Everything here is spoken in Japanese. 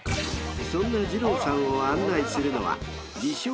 ［そんな二朗さんを案内するのは自称